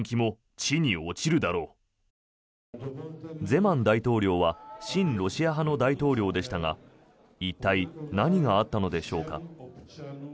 ゼマン大統領は親ロシア派の大統領でしたが一体、何があったのでしょうか。